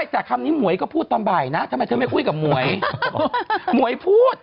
แต่คำนี้หมวยก็พูดตอนบ่ายนะทำไมเธอไม่คุยกับหมวยหมวยพูด